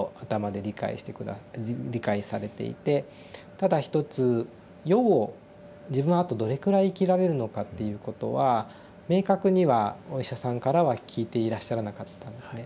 ただ一つ予後自分はあとどれくらい生きられるのかっていうことは明確にはお医者さんからは聞いていらっしゃらなかったんですね。